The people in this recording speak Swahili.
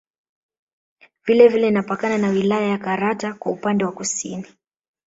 Vile vile inapakana na wilaya ya Karatu kwa upande wa Kusini